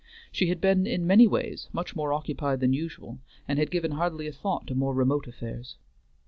She had been in many ways much more occupied than usual, and had given hardly a thought to more remote affairs.